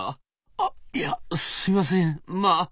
「あいやすいませんまあ」。